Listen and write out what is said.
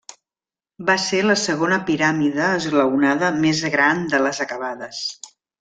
Va ser la segona piràmide esglaonada més gran de les acabades.